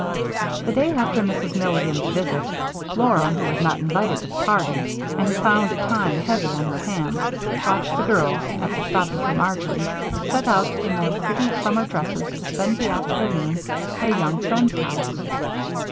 The day after Mrs. Milligan's visit, Laura, who was not invited to the party, and who found time heavy on her hands, watched the girls, after stopping for Marjory, set out in their pretty summer dresses to spend the afternoon at a young friend's house.